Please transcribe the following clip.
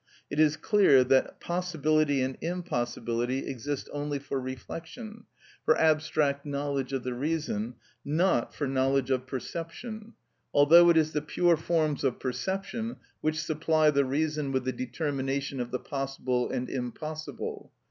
It is clear that possibility and impossibility exist only for reflection, for abstract knowledge of the reason, not for knowledge of perception; although it is the pure forms of perception which supply the reason with the determination of the possible and impossible.